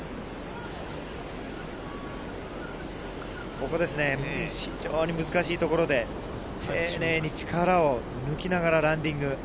ここですね、非常に難しいところで、丁寧に力を抜きながらランディング。